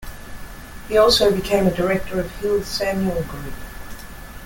He also became a Director of Hill Samuel Group.